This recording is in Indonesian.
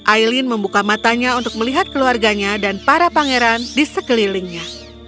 aileen membuka matanya untuk melihat keluarganya dan para pangeran di sekelilingnya